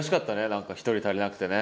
何か１人足りなくてね。